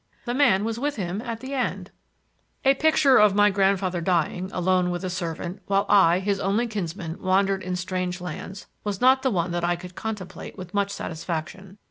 The man was with him at the end." A picture of my grandfather dying, alone with a servant, while I, his only kinsman, wandered in strange lands, was not one that I could contemplate with much satisfaction.